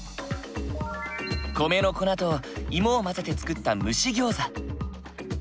米の粉といもを混ぜて作った蒸し餃子。